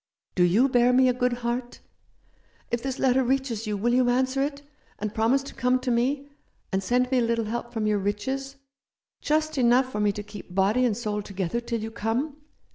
Do you bear me a good heart ? If this letter reaches you will you answer it, and promise to come to me, and send me a little help from your riches, just enough for me to keep body and soul together till you come